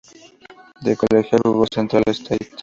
De colegial jugo con Central State.